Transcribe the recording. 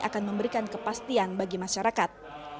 akan memberikan kepastian bagi masyarakat